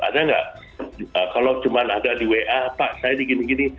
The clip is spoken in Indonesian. ada nggak kalau cuma ada di wa pak saya di gini gini